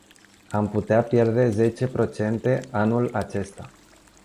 Am putea pierde zece procente anul acesta.